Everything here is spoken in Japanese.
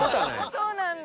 そうなんだ。